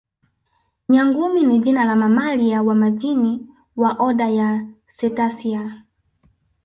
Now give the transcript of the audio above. Nyangumi ni jina la mamalia wa majini wa oda ya Cetacea